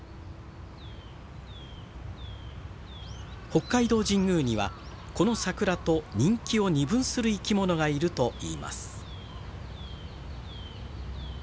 北海道神宮にはこの桜と人気を二分する生き物がいるといいます。